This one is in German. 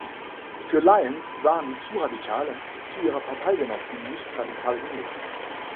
Für Lyons waren sie zu radikal, für ihre Parteigenossen nicht radikal genug.